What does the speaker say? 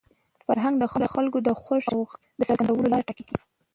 فرهنګ د خلکو د خوښۍ او غم د څرګندولو لاره ټاکي.